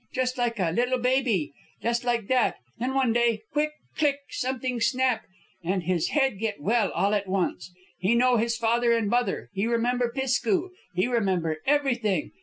Just like a little baby. Just like that. Then one day, quick, click! something snap, and his head get well all at once. He know his father and mother, he remember Pisk ku, he remember everything.